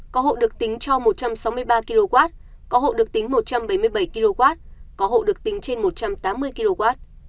có hộ được tính cho một trăm sáu mươi ba kw có hộ được tính một trăm bảy mươi bảy kw có hộ được tính trên một trăm tám mươi kw